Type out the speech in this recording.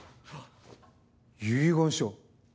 遺言書。